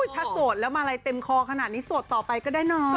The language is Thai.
ถ้าโสดแล้วมาลัยเต็มคอขนาดนี้โสดต่อไปก็ได้น้อย